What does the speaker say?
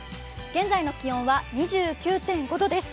現在の気温は２９．５度です。